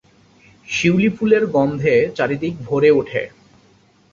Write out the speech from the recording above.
শিউলি ফুলের গন্ধে চারিদিক ভরে উঠে।